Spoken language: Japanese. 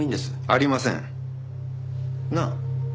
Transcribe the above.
ありません。なあ？